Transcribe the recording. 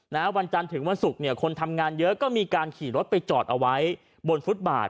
วันจันทร์ถึงวันศุกร์เนี่ยคนทำงานเยอะก็มีการขี่รถไปจอดเอาไว้บนฟุตบาท